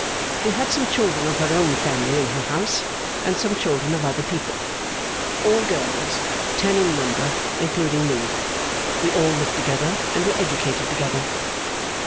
She had some children of her own family in her house, and some children of other people. All girls; ten in number, including me. We all lived together and were educated together.